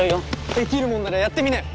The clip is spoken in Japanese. できるもんならやってみなよ。